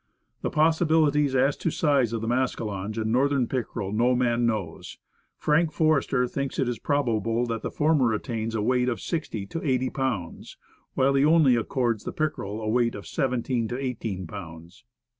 The possibilities as to size of the mascalonge and North ern pickerel no man knows. Frank Forester thinks it probable that the former attains to the weight of sixty to eighty pounds, while he only accords the pickerel a weight of seventeen to eighteen pounds.